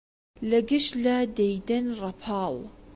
لە گشت لا دەیدەن ڕەپاڵ